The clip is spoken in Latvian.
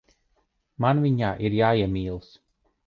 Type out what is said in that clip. Man viņā ir jāiemīlas.